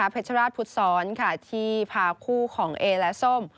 เพชรราชพุทธศรที่พาคู่ของเอและส้ม